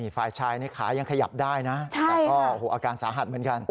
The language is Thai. ฝ่ายชายในขายังขยับได้นะแต่ก็อาการสาหัสเหมือนกัน